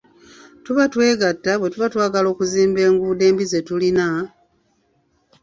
Tulina okwegata bwetuba twagala okuzimba enguudo embi ze tulina,